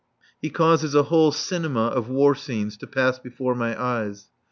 He causes a whole cinema of war scenes to pass before my eyes.